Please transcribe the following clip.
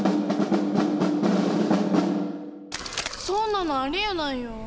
そんなのありえないよ。